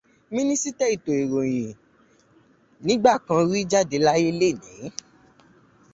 Mínísítà ètò ìròyìn nígbà kan rí jáde láyé lẹ́nìí.